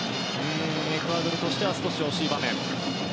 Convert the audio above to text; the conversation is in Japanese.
エクアドルとしては少し惜しい場面。